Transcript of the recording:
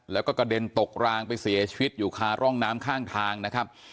แล้วก็กระเด็นตกรางไปเสียชีวิตอยู่คาร่องน้ำข้างทางนะครับ